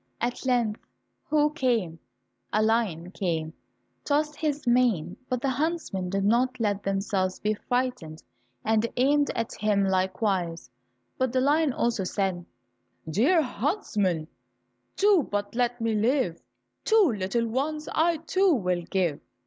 At length who came? A lion came, and tossed his mane. But the huntsmen did not let themselves be frightened and aimed at him likewise, but the lion also said, "Dear huntsman, do but let me live, Two little ones I, too, will give."